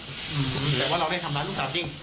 แต่ว่าเราไม่ได้ทำร้ายลูกสาวจริง